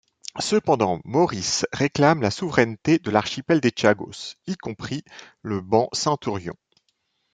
Cependant, Maurice réclame la souveraineté de l'archipel des Chagos, y compris le banc Centurion.